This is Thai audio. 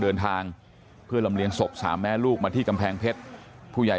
เดินทางเพื่อลำเลียงศพสามแม่ลูกมาที่กำแพงเพชรผู้ใหญ่